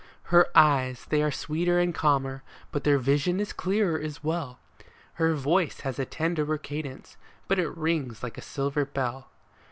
Her eyes they are sweeter and calmer, but their vision is clearer as well ; Her voice has a tenderer cadence, but it rings like a silver bell.